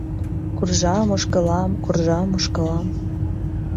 Куржам, ошкылам, куржам, ошкылам...